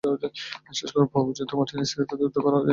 শেষ খবর পাওয়া পর্যন্ত মাটির নিচ থেকে তাঁদের উদ্ধার করা যায়নি।